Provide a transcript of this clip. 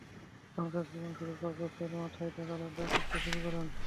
সংসার জীবন শুরুর পাঁচ বছরের মাথায় তাঁরা আলাদা থাকতে শুরু করেন।